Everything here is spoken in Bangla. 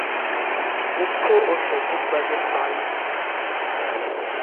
মূখ্য ও সম্মুখভাগের পালগুলো।